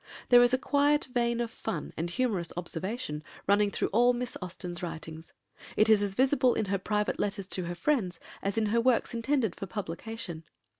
There is a quiet vein of fun and humorous observation running through all Miss Austen's writings. It is as visible in her private letters to her friends as in her works intended for publication.